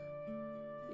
え。